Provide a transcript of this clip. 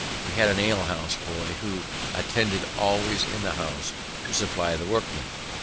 We had an alehouse boy who attended always in the house to supply the workmen.